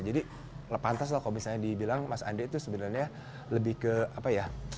jadi pantas lah kalau misalnya dibilang mas adek itu sebenarnya lebih ke apa ya